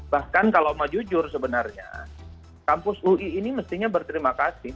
bahkan kalau mau jujur sebenarnya kampus ui ini mestinya berterima kasih